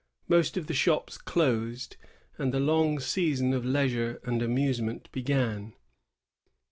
189 Most of the shops closed, and the long season of leisure and amusement began.